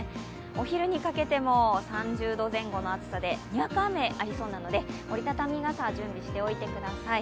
お昼にかけても３０度前後の暑さでにわか雨がありそうなので折り畳み傘準備しておいてください。